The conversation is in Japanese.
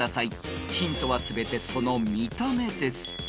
［ヒントは全てその見た目です］